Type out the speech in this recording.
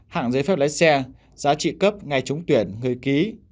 hạng giấy phép lái xe giá trị cấp ngày trúng tuyển người ký